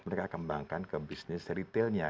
mereka kembangkan ke bisnis retailnya